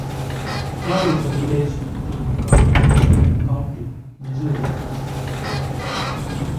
Cloud is a village in Crawford County, Missouri, United States.